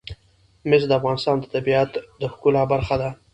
مس د افغانستان د طبیعت د ښکلا برخه ده.